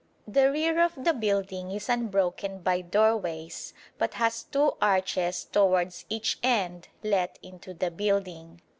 The rear of the building is unbroken by doorways, but has two arches towards each end let into the building.